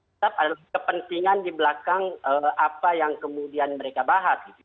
tetap ada kepentingan di belakang apa yang kemudian mereka bahas